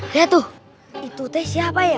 ya tuh itu teh siapa ya